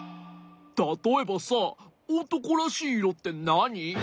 たとえばさおとこらしいいろってなに？